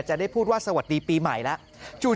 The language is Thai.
จะได้พูดว่าสวัสดีปีใหม่แล้ว